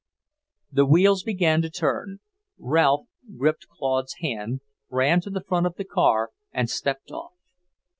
The wheels began to turn. Ralph gripped Claude's hand, ran to the front of the car and stepped off.